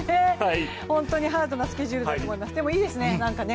本当にハードなスケジュールだと思いますでもいいですよね